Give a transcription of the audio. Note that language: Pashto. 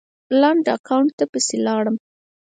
لنډ اکاونټ ته پسې لاړم